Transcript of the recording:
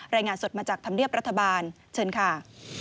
รายงานสดมาจากธรรมเนียบรัฐบาลเชิญค่ะ